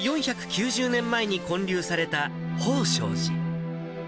およそ４９０年前に建立された保昌寺。